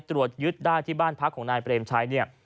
ตรวจยึดได้ที่บ้านพักของนายเปรมชัยเนี่ย